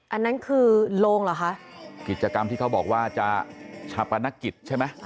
อันนั้นคือโรงเหรอคะกิจกรรมที่เขาบอกว่าจะชาปนกิจใช่ไหม